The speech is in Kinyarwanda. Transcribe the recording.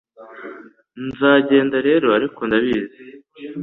Nzagenda rero ariko ndabizi